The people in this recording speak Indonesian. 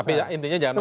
tapi intinya jangan